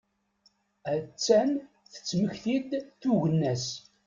A-tt-an tettmekti-d tugna-as.